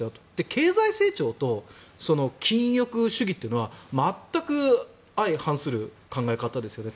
経済成長と禁欲主義というのは全く相反する考え方ですよね。